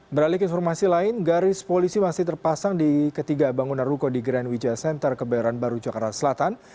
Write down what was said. beralik informasi lain garis polisi masih terpasang di ketiga bangunan ruko di grand wijaya center kebayoran baru jakarta selatan